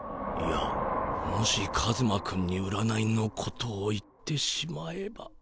もしカズマ君に占いのことを言ってしまえば。